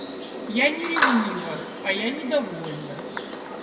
Я не ревнива, а я недовольна.